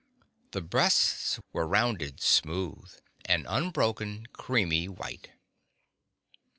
The breasts were rounded, smooth, an unbroken creamy white